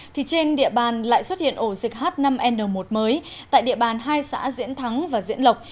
thì trên địa bàn lại xuất hiện ổ dịch h năm n một mới tại địa bàn hai xã diễn thắng và diễn lộc